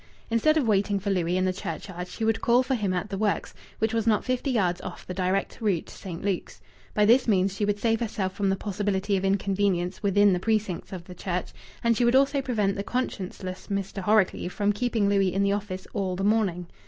Instead of waiting for Louis in the churchyard she would call for him at the works, which was not fifty yards off the direct route to St. Luke's. By this means she would save herself from the possibility of inconvenience within the precincts of the church, and she would also prevent the conscienceless Mr. Horrocleave from keeping Louis in the office all the morning.